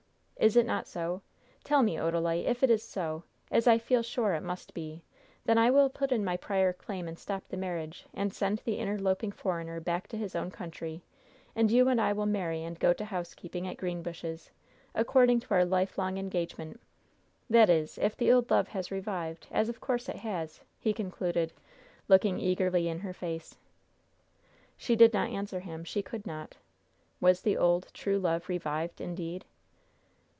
Is it not so? Tell me, Odalite. If it is so as I feel sure it must be then I will put in my prior claim and stop the marriage, send the interloping foreigner back to his own country, and you and I will marry and go to housekeeping at Greenbushes, according to our lifelong engagement. That is, if the old love has revived, as of course it has," he concluded, looking eagerly in her face. She did not answer him. She could not. Was the old, true love revived, indeed?